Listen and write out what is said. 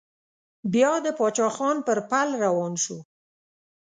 بيا د پاچا خان پر پل روان شو.